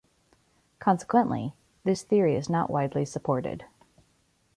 Consequently, this theory is not widely supported.